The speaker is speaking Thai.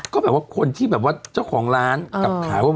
ก็แบบว่าคนที่แบบว่าเจ้าของร้านกลับขายว่า